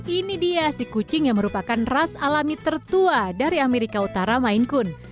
ini dia si kucing yang merupakan ras alami tertua dari amerika utara mainkun